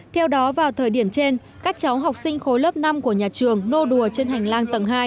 theo đó vào thời điểm trên các cháu học sinh khối lớp năm của nhà trường nô đùa trên hành lang tầng hai